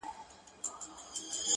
د دې قوم نصیب یې کښلی پر مجمر دی-